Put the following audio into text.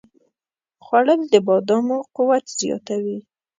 خوړل د بادامو قوت زیاتوي